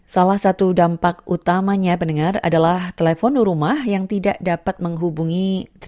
salah satu dampak utamanya pendengar adalah telepon di rumah yang tidak dapat menghubungi